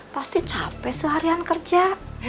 pasti capek seharian kerja